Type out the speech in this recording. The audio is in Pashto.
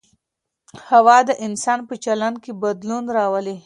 هوا د انسان په چلند کي بدلون راولي.